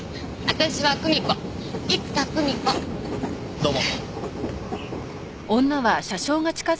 どうも。